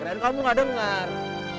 kirain kamu gak denger